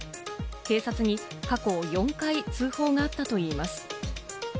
警察に過去４回、通報があったといいます。